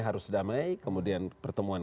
harus damai kemudian pertemuan